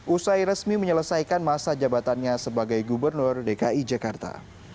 usai resmi menyelesaikan masa jabatannya sebagai gubernur dki jakarta